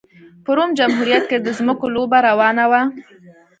په روم جمهوریت کې د ځمکو لوبه روانه وه